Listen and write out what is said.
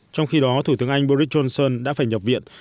trong khi đó thủ tướng anh boris johnson đã phải nhập viện